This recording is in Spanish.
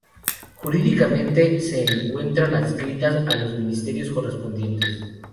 Jurídicamente se encuentran adscritas a los ministerios correspondientes.